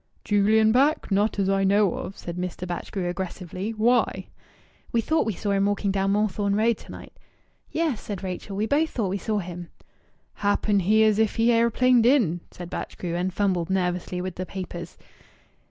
"Julian back? Not as I know of," said Mr. Batchgrew aggressively. "Why?" "We thought we saw him walking down Moorthorne Road to night." "Yes," said Rachel. "We both thought we saw him." "Happen he is if he aeroplaned it!" said Batchgrew, and fumbled nervously with the papers.